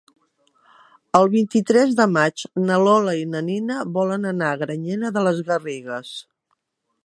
El vint-i-tres de maig na Lola i na Nina volen anar a Granyena de les Garrigues.